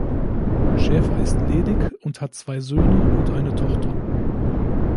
Schäfer ist ledig und hat zwei Söhne und eine Tochter.